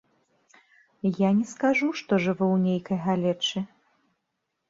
Я не скажу, што жыву ў нейкай галечы.